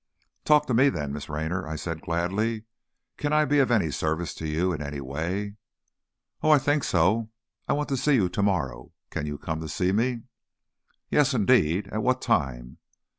"Talk to me, then, Miss Raynor," I said, gladly. "Can I be of any service to you in any way?" "Oh, I think so. I want to see you tomorrow. Can you come to see me?" "Yes, indeed. At what time?"